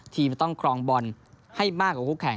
ทีมจะต้องครองบอลให้มากกว่าคู่แข่ง